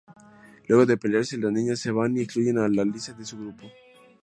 Luego de pelearse, las niñas se van y excluyen a Lisa de su grupo.